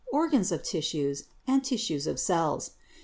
organs of tissues, and tissues of cells.